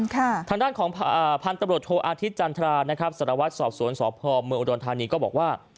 ทางด้านของพันธุ์ตำรวจโทอาทิตยจันทรานะครับสารวัตรสอบสวนสพเมืองอุดรธานีก็บอกว่า